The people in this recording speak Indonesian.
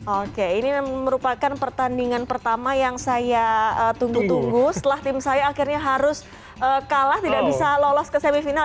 oke ini merupakan pertandingan pertama yang saya tunggu tunggu setelah tim saya akhirnya harus kalah tidak bisa lolos ke semifinal